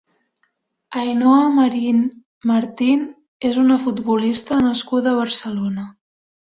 Ainhoa Marín Martín és una futbolista nascuda a Barcelona.